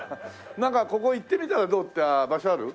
なんかここ行ってみたらどう？っていう場所ある？